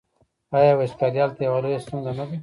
آیا وچکالي هلته یوه لویه ستونزه نه ده؟